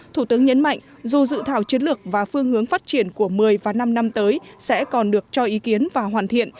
thủ tướng nhấn mạnh dù dự thảo chiến lược và phương hướng phát triển của một mươi và năm năm tới sẽ còn được cho ý kiến và hoàn thiện